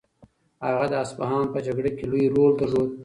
هغه د اصفهان په جګړه کې لوی رول درلود.